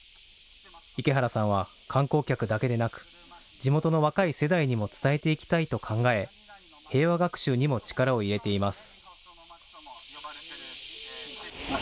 池原さんは、観光客だけでなく、地元の若い世代にも伝えていきたいと考え、平和学習にも力を入れています。